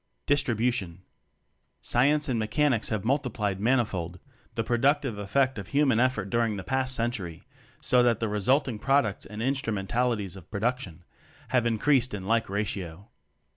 Distribution. Science and Mechanics have multi plied manifold the productive effect of human effort during the past century, so that the resulting products and in strumentalities of production have in creased in like ratio.